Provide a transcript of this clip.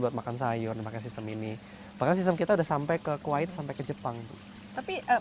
buat makan sayur pakai sistem ini bahkan sistem kita udah sampai ke kuwait sampai ke jepang tapi